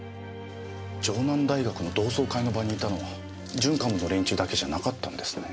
城南大学の同窓会の場にいたのは準幹部の連中だけじゃなかったんですね。